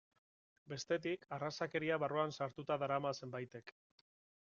Bestetik, arrazakeria barruan sartuta darama zenbaitek.